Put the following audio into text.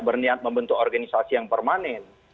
berniat membentuk organisasi yang permanen